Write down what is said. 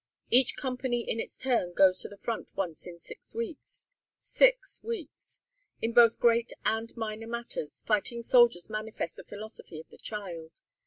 Each company in its turn goes to the front once in six weeks. Six weeks! In both great and minor matters, fighting soldiers manifest the philosophy of the child.